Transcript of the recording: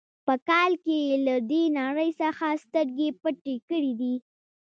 په کال کې یې له دې نړۍ څخه سترګې پټې کړې دي.